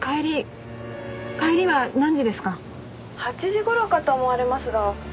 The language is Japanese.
「８時頃かと思われますが」